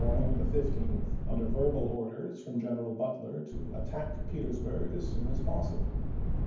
morning of the 15th, under verbal orders from Gen eral Butler, to " attack Petersburg as soon as pos sible."